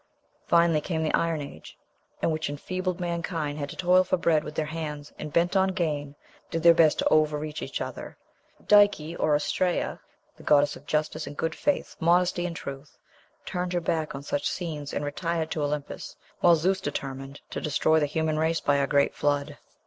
Finally came the Iron Age, in which enfeebled mankind had to toil for bread with their hands, and, bent on gain, did their best to overreach each other. Dike, or Astræa, the goddess of justice and good faith, modesty and truth, turned her back on such scenes, and retired to Olympus, while Zeus determined to destroy the human race by a great flood.